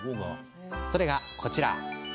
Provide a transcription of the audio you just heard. それが、こちら。